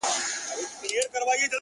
o زما او ستا په جدايۍ خوشحاله،